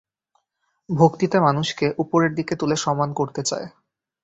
ভক্তিতে মানুষকে উপরের দিকে তুলে সমান করতে চায়।